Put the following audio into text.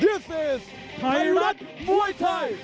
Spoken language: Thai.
นี่คือไพรอทโมยไทม์